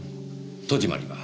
戸締まりは？